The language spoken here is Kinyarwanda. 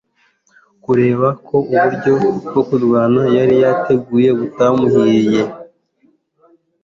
kubera ko uburyo bwo kurwana yari yateguye butamuhiriye